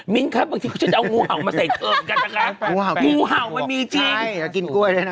มิ้นครับบางทีเขาจะเอางูเห่ามะใส่เผิดกันนะคะ